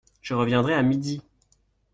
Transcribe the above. Je reviendrai à midi !